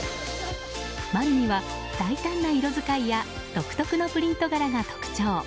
マルニは大胆な色遣いや独特のプリント柄が特徴。